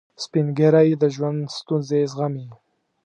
سپین ږیری د ژوند ستونزې زغمي